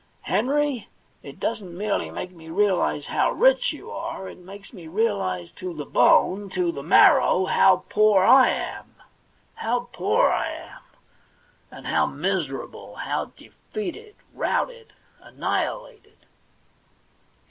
Henry, it doesn't merely make me realise how rich you are ; it makes me realise to the bone, to the marrow, how poor I am — how poor I am — and how miserable, how defeated, routed, annihilated